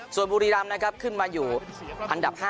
ส่วนบุรีรำนะครับขึ้นมาอยู่อันดับ๕